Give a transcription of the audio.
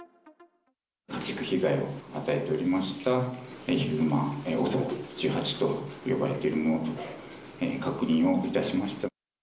家畜被害を与えておりました、ヒグマＯＳＯ１８と呼ばれているものと確認をいたしました。